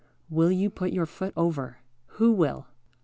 Will you put your foot over? Who will?